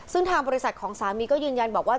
ซึ่งทางบริษัทของสามีก็ยืนยันบอกว่า